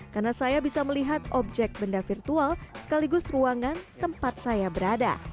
karena saya bisa melihat objek benda virtual sekaligus ruangan tempat saya berada